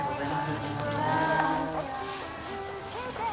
こんにちは。